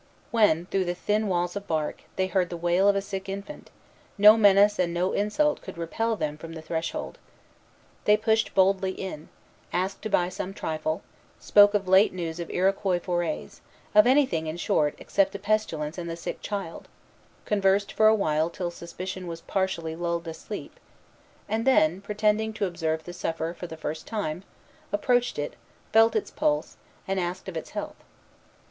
When, through the thin walls of bark, they heard the wail of a sick infant, no menace and no insult could repel them from the threshold. They pushed boldly in, asked to buy some trifle, spoke of late news of Iroquois forays, of anything, in short, except the pestilence and the sick child; conversed for a while till suspicion was partially lulled to sleep, and then, pretending to observe the sufferer for the first time, approached it, felt its pulse, and asked of its health.